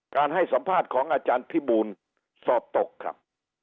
ให้สัมภาษณ์ของอาจารย์พิบูลสอบตกครับ